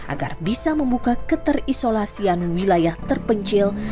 agar bisa membuka keterisolasian wilayah terpencil